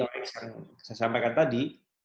sama seperti qox yang saya sampaikan tadi